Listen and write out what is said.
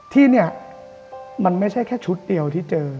ที่นี่มันไม่ใช่แค่ชุดเดียวที่เจอ